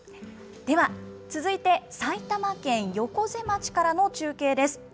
では、続いて埼玉県横瀬町からの中継です。